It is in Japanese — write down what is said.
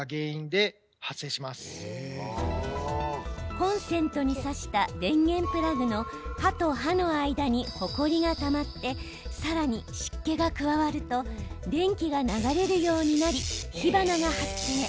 コンセントに差した電源プラグの刃と刃の間にほこりがたまってさらに湿気が加わると電気が流れるようになり火花が発生。